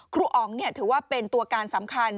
ครูอองเนี่ยถือว่าเป็นตัวการสำคัญ